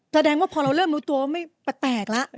แสดงว่าพอเราเริ่มรู้ตัวว่าไม่แปลกแล้ว